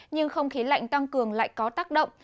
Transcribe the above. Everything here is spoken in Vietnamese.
nhưng không khí lạnh tăng cường lại có tác động